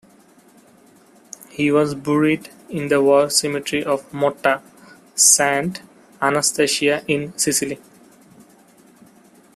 He was buried in the war cemetery of Motta Sant'Anastasia, in Sicily.